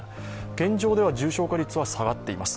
現状では重症化率は下がっています。